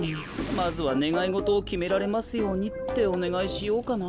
まずは「ねがいごとをきめられますように」っておねがいしようかな。